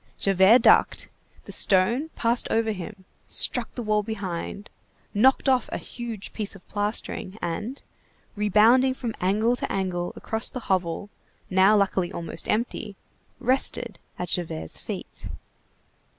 Javert ducked, the stone passed over him, struck the wall behind, knocked off a huge piece of plastering, and, rebounding from angle to angle across the hovel, now luckily almost empty, rested at Javert's feet.